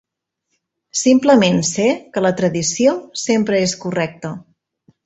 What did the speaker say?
Simplement sé que la Tradició sempre és correcta.